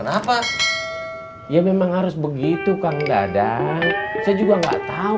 aku ingatnya kau